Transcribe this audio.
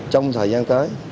trong thời gian tới